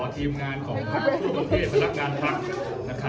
ทีมงานของวงเทศพนักงานพักรรม